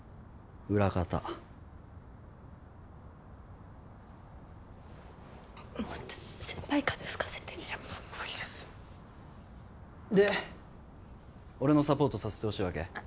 裏方もっと先輩風吹かせていや無理ですよで俺のサポートさせてほしいわけ？